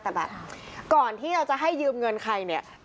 แต่แบบก่อนที่เราจะให้ยืมเงินใครเนี่ย